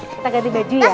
kita ganti baju ya